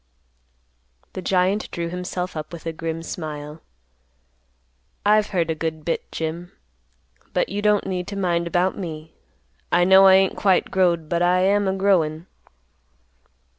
The giant drew himself up with a grim smile, "I've heard a good bit, Jim. But you don't need to mind about me; I know I ain't quite growed, but I am a growin'."